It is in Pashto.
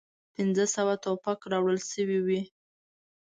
پنځه سوه توپک راوړل سوي وې.